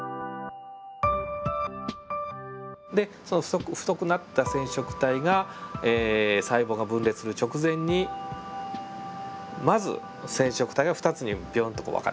で太くなった染色体が細胞が分裂する直前にまず染色体が２つにびょんと分かれるんですね。